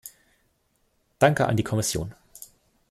Danke an die Kommission!